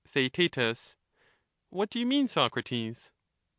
Theaet, What do you mean, Socrates